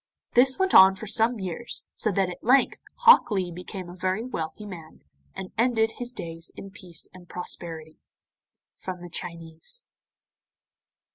This went on for some years, so that at length Hok Lee became a very wealthy man, and ended his days in peace and prosperity. From the Chinese.